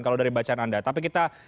kalau dari bacaan anda tapi kita